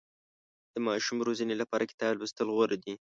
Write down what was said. د ماشوم روزنې لپاره کتاب لوستل غوره دي.